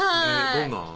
どんなん？